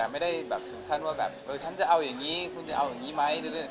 ไม่ได้แบบถึงขั้นว่าแบบเออฉันจะเอาอย่างนี้คุณจะเอาอย่างนี้ไหม